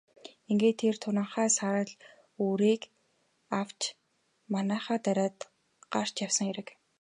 Ингээд тэр туранхай саарал үрээг авч манайхаар дайраад гарч явсан хэрэг.